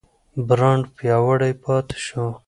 برانډ پیاوړی پاتې شو.